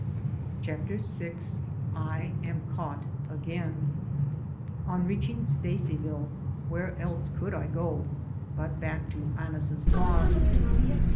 CHAPTER VI I AM CAUGHT AGAIN ON reaching Stacyville where else could I go but back to Annis' farm?